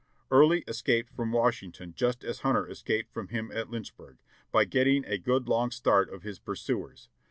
"Early escaped from Washington just as Hunter escaped from him at Lynchburg, by getting a good long start of his pursuers.